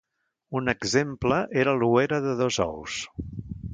Un exemple era l'ouera de dos ous.